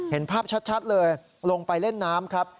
เห็นภาพชัดเลยลงไปเล่นน้ำครับ